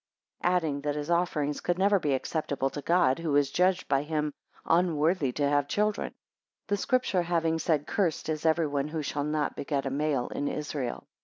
Adding, that his offerings could never be acceptable to God, who was judged by him unworthy to have children; the Scripture having said, Cursed is every one who shall not beget a male in Israel.